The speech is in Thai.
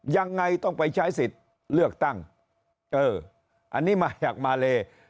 ยังไงต้องไปใช้สิทธิ์เลือกตั้งเอออันนี้มาจากมาเล